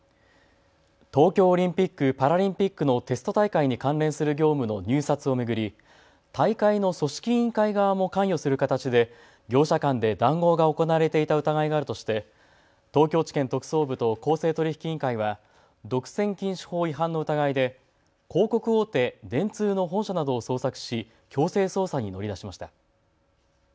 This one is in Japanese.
東京オリンピック・パラリンピックのテスト大会に関連する業務の入札を巡り大会の組織委員会側も関与する形で業者間で談合が行われていた疑いがあるとして東京地検特捜部と公正取引委員会は独占禁止法違反の疑いで広告大手、電通の本社などを捜索し強制捜査に乗り出しました。